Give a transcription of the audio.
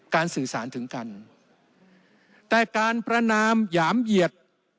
สื่อสารถึงกันแต่การประนามหยามเหยียด